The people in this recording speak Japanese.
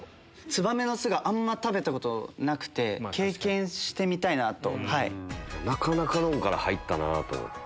燕の巣があんま食べたことなくて経験してみたいなと。